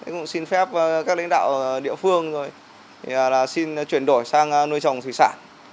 cũng xin phép các lãnh đạo địa phương xin chuyển đổi sang nuôi trồng thủy sản